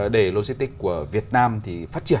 để logistics của việt nam thì phát triển